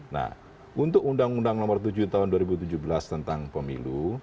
nah untuk undang undang nomor tujuh tahun dua ribu tujuh belas tentang pemilu